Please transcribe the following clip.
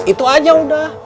itu aja udah